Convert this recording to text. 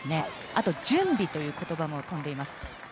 あと、準備という言葉も飛んでいますね。